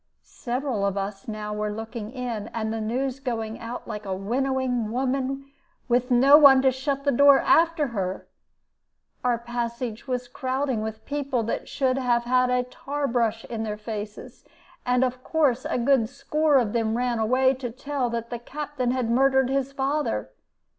"Several of us now were looking in, and the news going out like a winnowing woman with no one to shut the door after her; our passage was crowding with people that should have had a tar brush in their faces. And of course a good score of them ran away to tell that the Captain had murdered his father.